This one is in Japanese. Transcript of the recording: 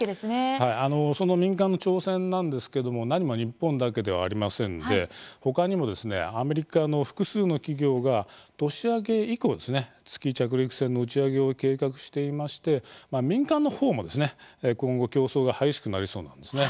はい、その民間の挑戦なんですけれども何も日本だけではありませんで他にもアメリカの複数の企業が年明け以降、月着陸船の打ち上げを計画していまして民間の方も今後競争が激しくなりそうなんですね。